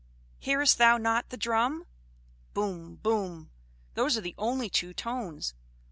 "Hearest thou not the drum? Bum! Bum! Those are the only two tones.